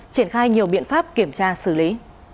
triển khai nhiều biện pháp kiểm tra xử lý